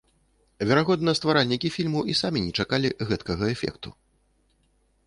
Верагодна, стваральнікі фільму і самі не чакалі гэтакага эфекту.